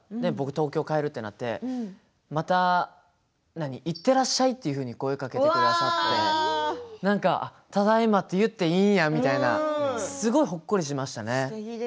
僕、東京に帰るとなって行ってらっしゃい！というふうに声をかけてくださってただいまって言っていいんやみたいなすごいほっこりしましたね。